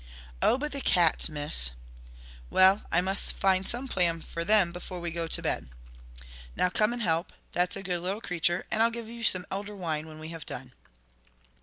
"Oh, but the cats, Miss!" "Well, I must find some plan for them before we go to bed. Now come and help, that's a good little creature, and I'll give you some elder wine when we have done."